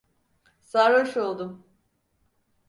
Sarhoş oldum.